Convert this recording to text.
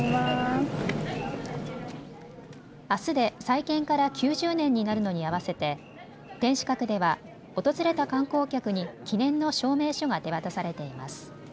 あすで再建から９０年になるのに合わせて天守閣では訪れた観光客に記念の証明書が手渡されています。